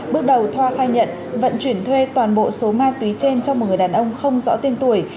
bước đầu thoa khai nhận vận chuyển thuê toàn bộ số ma túy trên cho một người đàn ông không rõ tên tuổi